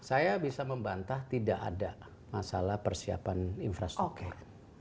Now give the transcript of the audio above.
saya bisa membantah tidak ada masalah persiapan infrastruktur